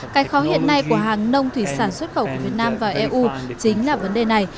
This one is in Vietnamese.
cái khó hiện nay của hàng nông thủy sản xuất khẩu của việt nam vào eu chính là vấn đề này